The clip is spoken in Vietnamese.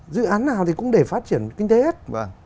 dự án nào thì cũng để phát triển kinh tế hết